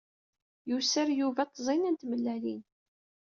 Yuser Yuba ttẓina n tmellalin.